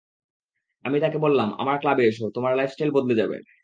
আমি তাকে বললাম আমার ক্লাবে এসো, তোমার লাইফস্টাইল বদলে যাবে।